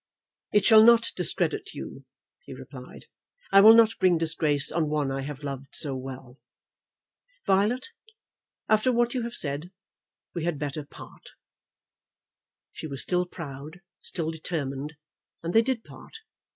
"It shall not discredit you," he replied. "I will not bring disgrace on one I have loved so well. Violet, after what you have said, we had better part." She was still proud, still determined, and they did part.